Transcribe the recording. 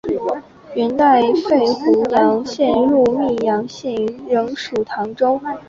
元代废湖阳县入泌阳县仍属唐州。